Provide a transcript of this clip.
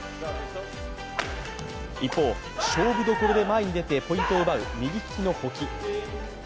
一方、勝負どころで前に出てポイントを奪う右利きの保木。